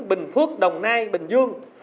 bình phước đồng nai bình dương